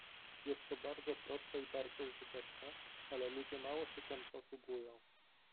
"Jest to bardzo proste i bardzo użyteczne, ale ludzie mało się tem posługują."